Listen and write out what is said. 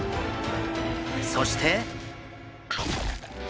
そして。